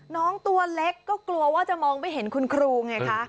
น้องตัวเล็กก็กลัวว่าจะมองไม่เห็นคุณครูไงคะ